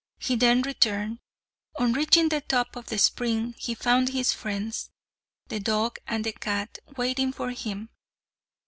He then returned. On reaching the top of the spring he found his friends, the dog and the cat, waiting for him.